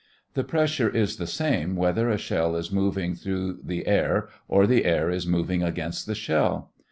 The pressure is the same whether a shell is moving through the air or the air is blowing against the shell.